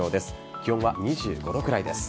気温は２５度くらいです。